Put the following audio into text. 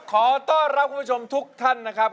ขอต้อนรับคุณผู้ชมทุกท่านนะครับ